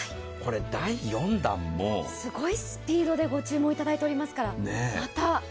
第４弾もすごいスピードでご注文いただいてますから、また。